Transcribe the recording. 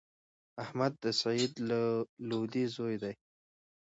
احمد د سعید لودی زوی دﺉ.